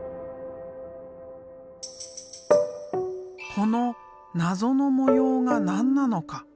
この謎の模様が何なのか？